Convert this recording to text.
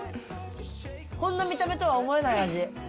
こんな見た目とは思えない味。